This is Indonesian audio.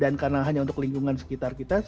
dan karena hanya untuk lingkungan sekitar kita